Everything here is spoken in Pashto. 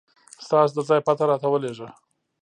ستاسو د ځای پته راته ولېږه